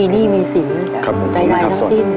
นะครับตอนครับ